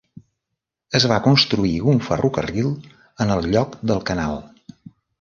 Es va construir un ferrocarril en el lloc del canal.